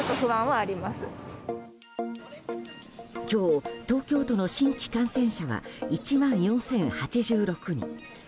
今日、東京都の新規感染者は１万４０８６人。